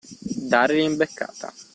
Dare l'imbeccata.